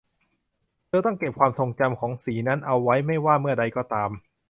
เธอจะต้องเก็บความทรงจำของสีนั้นเอาไว้ไม่ว่าเมื่อใดก็ตาม